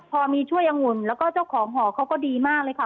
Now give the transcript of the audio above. พอมีช่วยองุ่นแล้วก็เจ้าของหอเขาก็ดีมากเลยค่ะ